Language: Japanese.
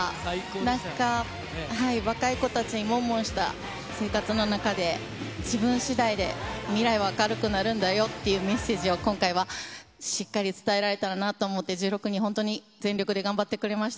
なんか若い子たちに、もんもんとした生活の中で、自分しだいで未来は明るくなるんだよというメッセージを今回はしっかり伝えられたらなと思って、１６人、本当に全員で頑張ってくれました。